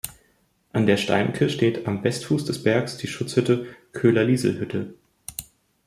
An der Steimke steht am Westfuß des Bergs die Schutzhütte „Köhler-Liesel-Hütte“.